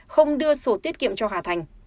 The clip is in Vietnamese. không đưa sổ tiết kiệm cho hà thành